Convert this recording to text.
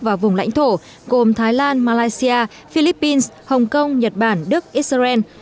và vùng lãnh thổ gồm thái lan malaysia philippines hồng kông nhật bản đức israel